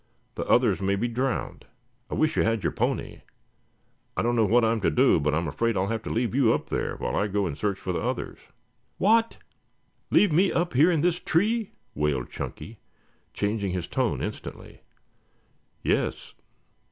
"The others may be drowned. I wish you had your pony. I don't know what I am to do, but I'm afraid I'll have to leave you up there while I go and search for the others." "What? Leave me up here in this tree?" wailed Chunky, changing his tone instantly. "Yes."